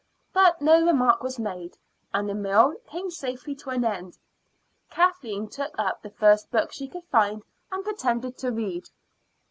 But no remark was made, and the meal came safely to an end. Kathleen took up the first book she could find and pretended to read.